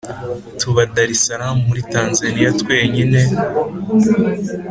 tuba dar salam muri tanzania twenyine